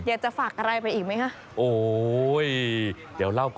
อยากจะฝากอะไรไปอีกไหมคะ